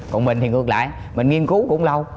còn mình thì ngược lại mình nghiên cứu cũng lâu